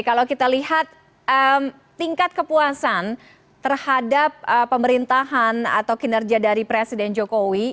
kalau kita lihat tingkat kepuasan terhadap pemerintahan atau kinerja dari presiden jokowi